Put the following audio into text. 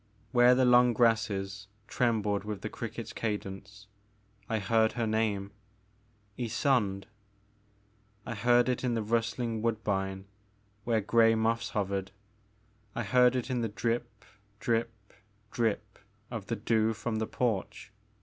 Where the long grasses trembled with the cricket's cadence I heard her name, Ysonde ; I heard it in the rustling woodbine where grey moths hovered ; I heard it in the drip, drip, drip of the dew from the porch.